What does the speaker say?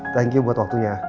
thank you buat waktunya